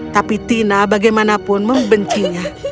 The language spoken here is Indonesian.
tapi tina bagaimanapun membencinya